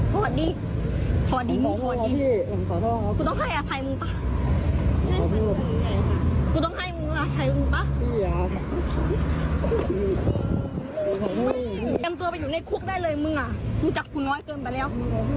คุณจักรูน้อยเกินไปแล้ว